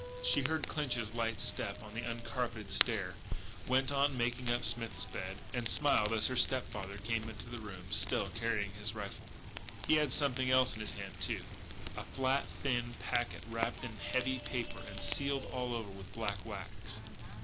She heard Clinch's light step on the uncarpeted stair; went on making up Smith's bed; and smiled as her step father came into the room, still carrying his rifle. He had something else in his hand, too, a flat, thin packet wrapped in heavy paper and sealed all over with black wax.